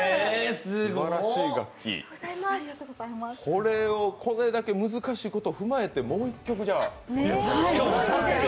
これをこれだけ難しいことを踏まえてもう一曲。